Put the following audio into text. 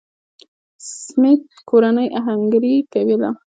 سمېت کورنۍ اهنګري کوله.